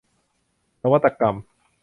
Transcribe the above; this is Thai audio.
นวัตกรรม